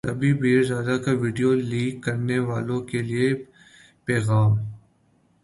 رابی پیرزادہ کا video leak کرنیوالوں کے لیے پیغام